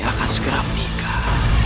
akan segera menikah